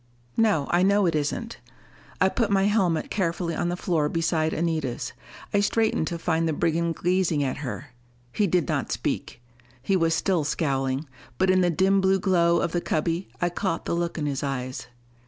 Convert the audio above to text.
"No, I know it isn't." I put my helmet carefully on the floor beside Anita's. I straightened to find the brigand gazing at her. He did not speak: he was still scowling. But in the dim blue glow of the cubby, I caught the look in his eyes.